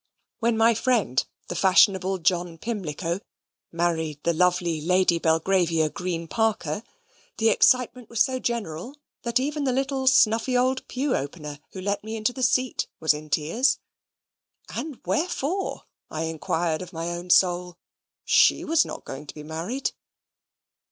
When my friend, the fashionable John Pimlico, married the lovely Lady Belgravia Green Parker, the excitement was so general that even the little snuffy old pew opener who let me into the seat was in tears. And wherefore? I inquired of my own soul: she was not going to be married.